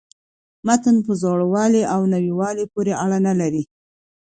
متن په زوړوالي او نویوالي پوري اړه نه لري.